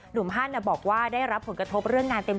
ฮันบอกว่าได้รับผลกระทบเรื่องงานเต็ม